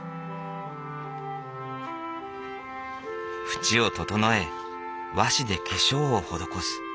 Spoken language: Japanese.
縁を整え和紙で化粧を施す。